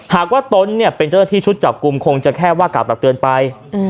หากว่าตนเนี่ยเป็นเจ้าหน้าที่ชุดจับกลุ่มคงจะแค่ว่ากล่าวตักเตือนไป